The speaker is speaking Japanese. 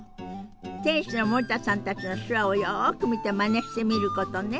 店主の森田さんたちの手話をよく見てまねしてみることね。